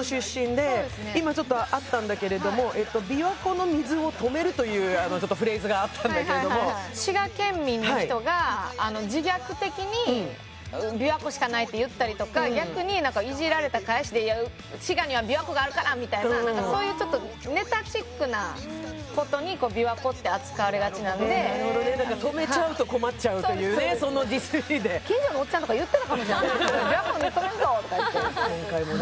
はい今ちょっとあったけど「琵琶湖の水を止める」というフレーズがあったんだけれどもはいはいはいはい滋賀県民の人が自虐的に「琵琶湖しかない」って言ったりとか逆にいじられた返しで「滋賀には琵琶湖があるから」みたいなそういうちょっとネタチックなことに琵琶湖って扱われがちなんでなるほどねだから止めちゃうと困っちゃうっていうそのディスりで近所のおっちゃんとか言ってたかも「琵琶湖の水止めるぞ！」とか今回もね